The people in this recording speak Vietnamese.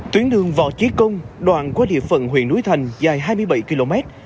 tuyến đường võ trí công đoạn qua địa phận huyện núi thành dài hai mươi bảy km